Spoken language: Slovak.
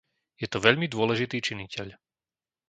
Je to veľmi dôležitý činiteľ.